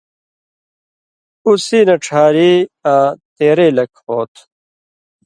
اُو سی نہ ڇھاری آں تېرئ لک ہو تھُو۔